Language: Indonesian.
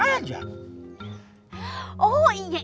iya tuh si jihan kan kita ajak